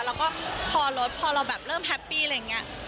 แล้วก็พอลดพอเราแบบเริ่มแฮปปี้อะไรอย่างนี้